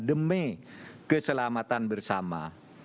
demi keselamatan bersama